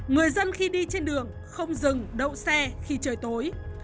người dân khi đi trên đường không dừng đậu xe khi trời tối